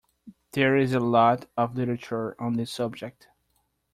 There is a lot of Literature on this subject.